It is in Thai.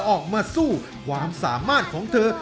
ออกมาสู้ความสามารถของเธอ